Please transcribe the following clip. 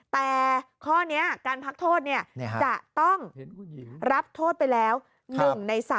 แต่ข้อนี้การพักโทษจะต้องรับโทษไปแล้ว๑ใน๓